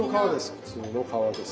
普通の皮です。